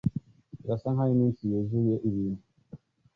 Birasa nkaho iminsi yuzuye ibintu